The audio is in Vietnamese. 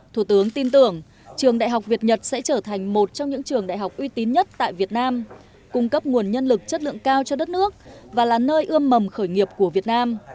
thủ tướng tin tưởng trường đại học việt nhật sẽ trở thành một trong những trường đại học uy tín nhất tại việt nam cung cấp nguồn nhân lực chất lượng cao cho đất nước và là nơi ươm mầm khởi nghiệp của việt nam